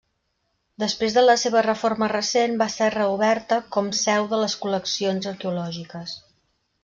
Després de la seva reforma recent, va ser reoberta com seu de les col·leccions arqueològiques.